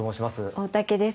大竹です。